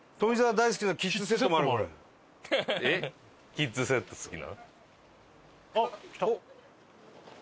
キッズセット好きなん？